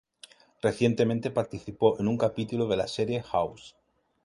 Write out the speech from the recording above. Recientemente participó en un capítulo de la serie "House".